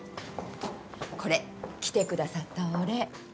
これ来てくださったお礼。